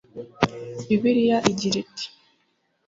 bibiliya igira iti